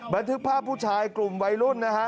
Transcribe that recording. บันทึกภาพผู้ชายกลุ่มวัยรุ่นนะฮะ